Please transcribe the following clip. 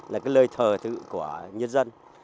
là cái lời thờ của nhân dân